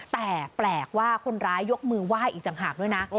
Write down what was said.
แต่แปลกว่าคนร้ายยกมือไหว้อีกต่างหากด้วยนะ